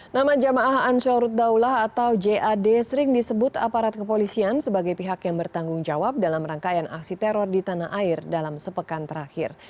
nama jamaah ansaruddaulah atau jad sering disebut aparat kepolisian sebagai pihak yang bertanggung jawab dalam rangkaian aksi teror di tanah air dalam sepekan terakhir